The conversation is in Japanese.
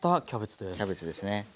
キャベツですね。